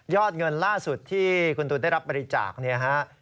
เงินล่าสุดที่คุณตูนได้รับบริจาคเนี่ยฮะ